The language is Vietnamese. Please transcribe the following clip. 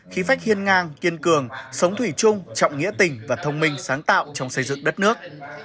khí phách hiên ngang kiên cường sống thủy chung trọng nghĩa tình và thông minh sáng tạo trong xây dựng đất nước